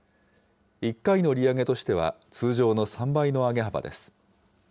１回の利上げとしては通常の３倍の上げ幅です。